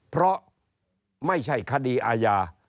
เพราะไม่ใช่คดีอาญา